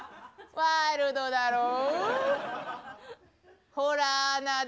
ワイルドだろぉ。